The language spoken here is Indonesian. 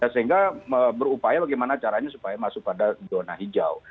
sehingga berupaya bagaimana caranya supaya masuk pada zona hijau